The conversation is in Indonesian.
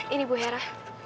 ini bu hera